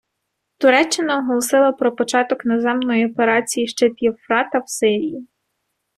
Туреччина оголосила про початок наземної операції «Щит Євфрата» в Сирії.